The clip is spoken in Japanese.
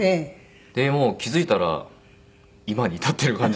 でもう気付いたら今に至ってる感じですね。